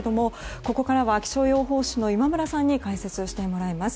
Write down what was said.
ここからは気象予報士の今村さんに解説してもらいます。